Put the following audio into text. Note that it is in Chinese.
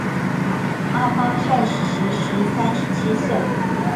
阿巴亥其时三十七岁。